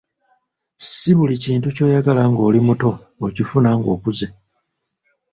Ssi buli kintu ky'oyagala ng'oli muto okifuna ng'okuze.